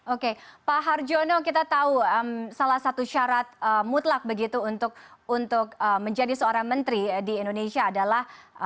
oke pak harjono kita tahu salah satu syarat mutlak begitu untuk menjadi seorang menteri di indonesia adalah